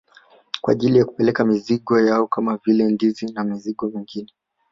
Kwa ajili ya kupeleka mizigo yao kama vile ndizi na mizigo mingine